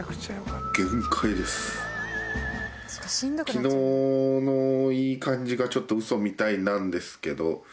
昨日のいい感じがちょっとウソみたいなんですけど。